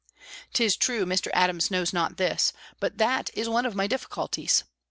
'Tis true, Mr. Adams knows not this, but that is one of my difficulties.